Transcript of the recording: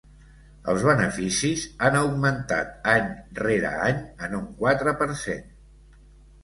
Els beneficis han augmentat any rere any en un quatre per cent.